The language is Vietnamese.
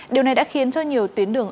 điều này đã khiến cho nhiều tuyến đường